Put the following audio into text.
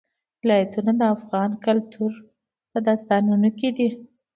ولایتونه د افغان کلتور په داستانونو کې دي.